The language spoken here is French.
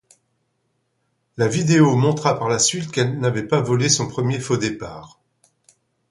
La vidéo montra par la suite qu'elle n'avait pas volé son premier faux départ...